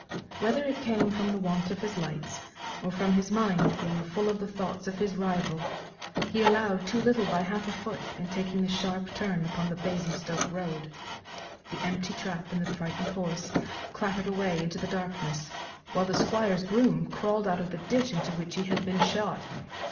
Whether it came from the want of his lights, or from his mind being full of the thoughts of his rival, he allowed too little by half a foot in taking the sharp turn upon the Basingstoke road. The empty trap and the frightened horse clattered away into the darkness, while the Squire's groom crawled out of the ditch into which he had been shot.